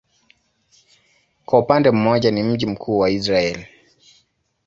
Kwa upande mmoja ni mji mkuu wa Israel.